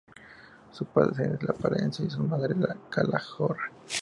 Su padre es de Palencia y su madre de Calahorra.